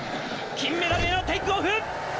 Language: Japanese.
金メダルへのテークオフ。